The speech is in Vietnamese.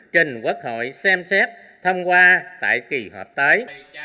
trình quốc hội xem xét thông qua tại kỳ họp tới